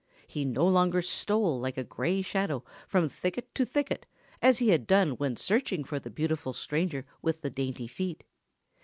He no longer stole like a gray shadow from thicket to thicket as he had done when searching for the beautiful stranger with the dainty feet.